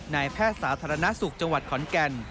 นายแพทย์สาธารณสุขจังหวัดขอนแก่น